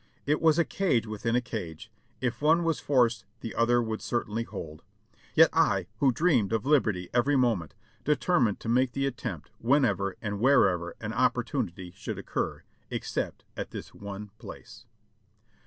It was a cage within a cage; if one was forced the other would certainly hold. Yet I, who dreamed of liberty every moment, determined to make the attempt whenever and wherever an opportunity should occur, except at this one place.